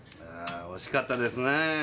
あぁ惜しかったですね。